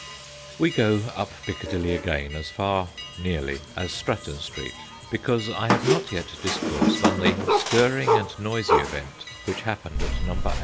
We go up Piccadilly again as far, nearly, as Stratton Street, because I have not yet discoursed on the stirring and noisy event which happened at No.